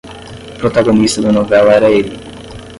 O protagonista da novela era ele.